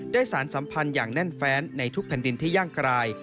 สารสัมพันธ์อย่างแน่นแฟนในทุกแผ่นดินที่ย่างกราย